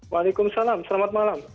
waalaikumsalam selamat malam